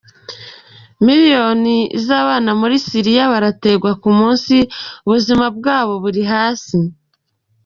"Imiliyoni z'abana muri Syria barategwa ku munsi, ubuzima bwabo buri hasi.